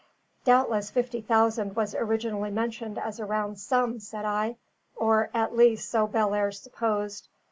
"Doubtless fifty thousand was originally mentioned as a round sum," said I, "or at least, so Bellairs supposed.